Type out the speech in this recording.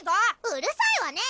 うるさいわね！